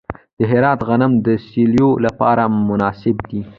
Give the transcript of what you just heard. د هرات غنم د سیلو لپاره مناسب دي.